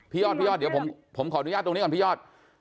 พี่ยอดพี่ยอดผมขออนุญาตตรงนี้ก่อนพี่ยอด